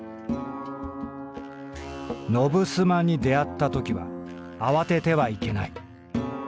「野衾に出会ったときは慌ててはいけない。